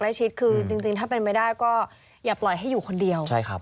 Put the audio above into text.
ชิดคือจริงจริงถ้าเป็นไปได้ก็อย่าปล่อยให้อยู่คนเดียวใช่ครับ